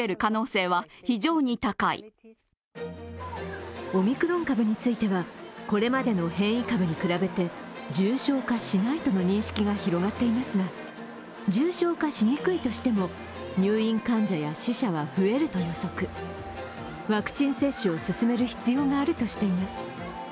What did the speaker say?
更にオミクロン株については、これまでの変異株に比べて重症化しないとの認識が広がっていますが、重症化しにくいとしても、入院患者や死者は増えると予測、ワクチン接種を進める必要があるとしています。